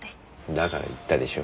だから言ったでしょ？